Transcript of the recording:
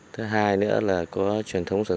thứ hai nữa là có truyền thống sản